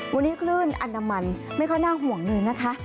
วันนี้คลื่นอนามันไม่ค่อยน่าห่วงเลยนะคะ